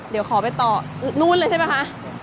เดี๋ยวขอไปต่อนู่นเลยใช่ไหมคะ